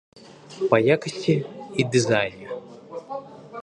Па якасці і дызайне.